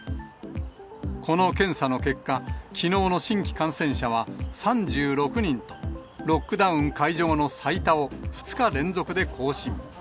この検査の結果、きのうの新規感染者は３６人と、ロックダウン解除後の最多を２日連続で更新。